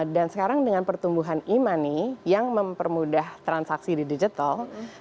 dan sekarang dengan pertumbuhan e money yang mempermudah transaksi di digital